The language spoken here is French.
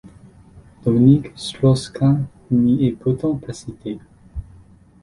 Dominique Strauss-Kahn n'y est pourtant pas cité.